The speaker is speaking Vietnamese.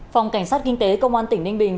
phòng cảnh sát kinh tế công an tỉnh ninh bình